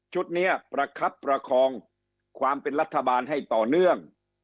ชุดนี้ประคับประคองความเป็นรัฐบาลให้ต่อเนื่อง